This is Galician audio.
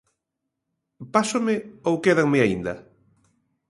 ¿Pásome ou quédanme aínda?